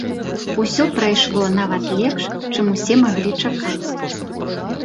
Усё прайшло нават лепш, чым усе маглі чакаць.